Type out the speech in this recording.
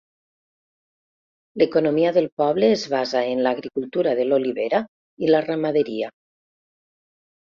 L'economia del poble es basa en l'agricultura de l'olivera i la ramaderia.